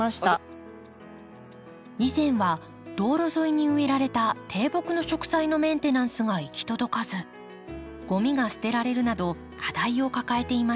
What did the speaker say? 以前は道路沿いに植えられた低木の植栽のメンテナンスが行き届かずゴミが捨てられるなど課題を抱えていました。